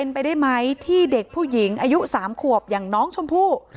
เป็นไปได้ไหมที่เด็กผู้หญิงอายุ๓ขวบอย่างน้องชมพู่